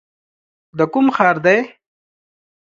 د کوم ښار دی ؟